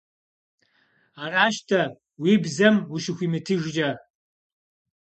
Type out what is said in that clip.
Аращ-тӀэ, уи бзэм ущыхуимытыжкӀэ.